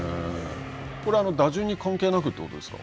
これ、打順に関係なくってことですか。